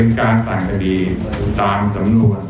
เวลาการต่างคดีตามสำนวน